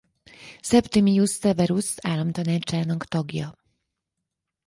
Septimius Severus államtanácsának tagja.